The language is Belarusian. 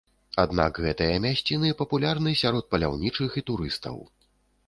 Аднак гэтыя мясціны папулярны сярод паляўнічых і турыстаў.